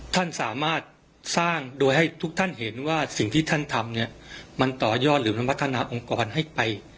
ท่านสามารถสร้างโดยให้ทุกท่านเห็นว่าสิ่งที่ท่านทำเนี่ยมันต่อยอดหรือมันพัฒนาองค์กรให้ไป